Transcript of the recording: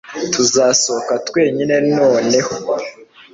tuzasohoka twenyine noneho